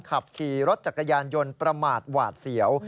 ขับขี่รถจักรยานยนต์ประมาทหวาดเสียว